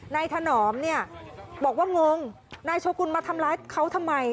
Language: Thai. ถนอมเนี่ยบอกว่างงนายโชกุลมาทำร้ายเขาทำไม